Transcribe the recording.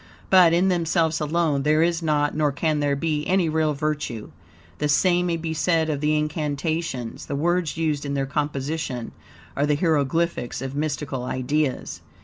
But, in themselves alone, there is not, nor can there be, any real virtue. The same may be said of the incantations. The words used in their composition are the hieroglyphics of mystical ideas.